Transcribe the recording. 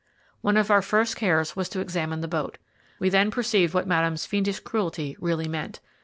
One of our first cares was to examine the boat. We then perceived what Madame's fiendish cruelty really meant.